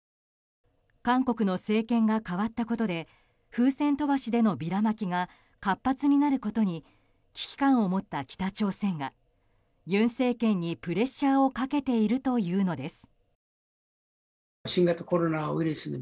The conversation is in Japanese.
韓国の政権が変わったことで風船飛ばしでのビラまきが活発になることに危機感を持った北朝鮮が尹政権にプレッシャーをかけているというのです。